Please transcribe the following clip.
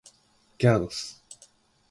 ギャラドス